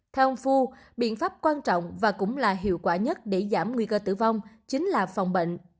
theo ông phu biện pháp quan trọng và cũng là hiệu quả nhất để giảm nguy cơ tử vong chính là phòng bệnh